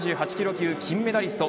級金メダリスト